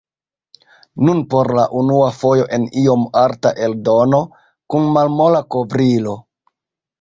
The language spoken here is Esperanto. Nun por la unua fojo en iom arta eldono, kun malmola kovrilo.